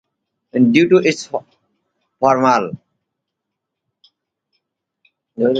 Due to its formal nature, all Continental Town Cars were sold in black.